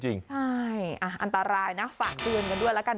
ใช่อันตรายนะฝากเตือนกันด้วยแล้วกัน